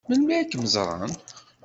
Melmi ad kem-ẓṛen?